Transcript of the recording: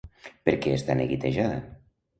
Per què està neguitejada?